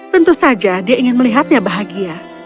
tentu saja dia ingin melihatnya bahagia